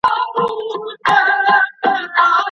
څنګه لوی سوداګر افغاني غالۍ اروپا ته لیږدوي؟